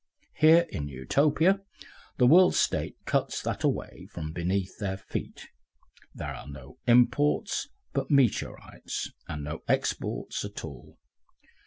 Here in Utopia the World State cuts that away from beneath their feet; there are no imports but meteorites, and no exports at all.